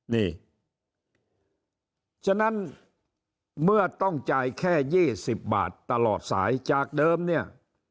นี่ฉะนั้นเมื่อต้องจ่ายแค่๒๐บาทตลอดสายจากเดิมเนี่ย